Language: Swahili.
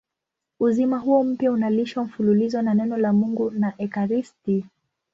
Uzima huo mpya unalishwa mfululizo na Neno la Mungu na ekaristi.